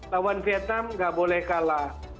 lawan vietnam nggak boleh kalah